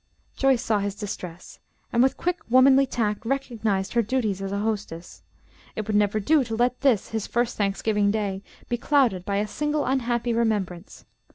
Joyce saw his distress, and with quick womanly tact recognized her duty as hostess. It would never do to let this, his first Thanksgiving Day, be clouded by a single unhappy remembrance.